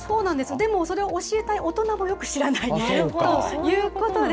でも、それを教えたい大人もよく知らないということで。